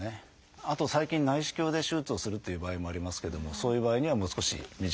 あと最近内視鏡で手術をするっていう場合もありますけれどもそういう場合にはもう少し短くなると。